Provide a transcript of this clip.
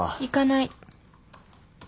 行かない。